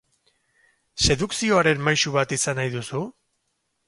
Sedukzioaren maisu bat izan nahi duzu?